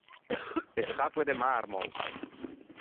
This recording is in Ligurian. E statue de marmao.